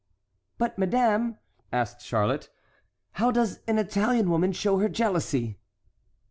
"But, madame," asked Charlotte, "how does an Italian woman show her jealousy?"